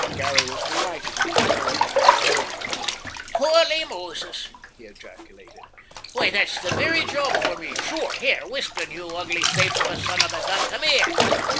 Garry was delighted when I told him what I came about. "Houly Moses!" he ejaculated; "why that's the virry job for me, sure. Here, Weston, you ugly thaife of a son of a gun, come here!